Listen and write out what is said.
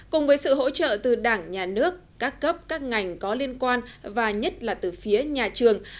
cùng với sự hỗ trợ từ đảng nhà nước các cấp các ngành có liên quan và nhất là từ phía nhà trường